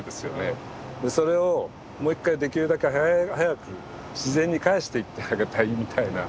それをもう一回できるだけ早く自然に返していってあげたいみたいな。